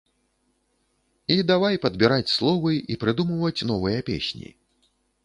І давай падбіраць словы і прыдумваць новыя песні.